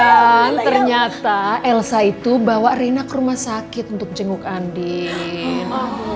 dan ternyata elsa itu bawa rena ke rumah sakit untuk jenguk andin